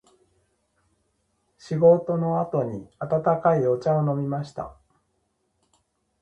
仕事の後に温かいお茶を飲みました。